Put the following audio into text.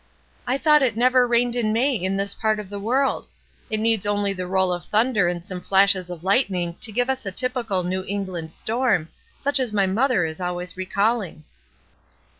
"I thought it never rained in May, in this part of the world? It needs only the roll of thunder and some flashes of Ughtning to give us a typical New England storm, such as my mother is always recalling."